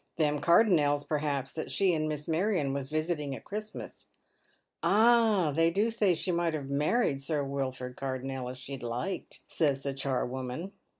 Them Cardonnels, perhaps, that she and Miss Marion was visiting" at Cliristmas." " Ah, they do say she might have married Sir Wilford Car donnel if she'd hked," says the charwoman.